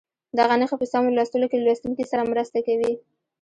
دغه نښې په سمو لوستلو کې له لوستونکي سره مرسته کوي.